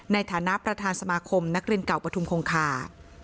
ในฐานะประธานสมาคมนักเรียนเก่าปฐุมคงคา